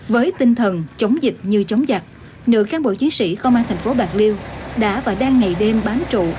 với tinh thần chống dịch như chống giặc nữ can bộ chiến sĩ không an thành phố bạc liêu đã và đang ngày đêm bán trụ